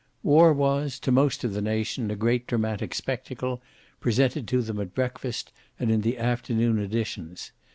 War was to most of the nation a great dramatic spectacle, presented to them at breakfast and in the afternoon editions.